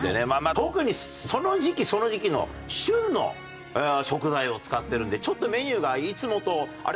特にその時期その時期の旬の食材を使ってるのでちょっとメニューがいつもとあれ？